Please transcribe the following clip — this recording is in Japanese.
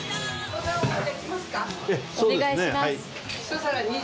お願いします。